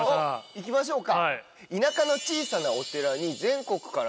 行きましょうか。